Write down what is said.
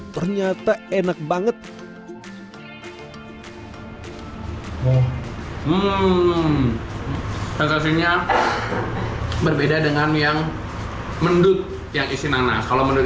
ternyata enak banget hmm perasaannya berbeda dengan yang mendut yang isi nanas kalau menduduk